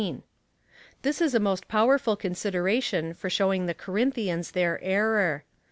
This is a most powerful consi deration for showing the Corinthians their error.